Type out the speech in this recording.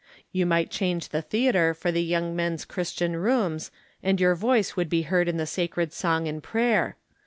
You might exchange the theatre for the Young Men's Christian Eooms, and your voice would be heard in the sacred song and prayer.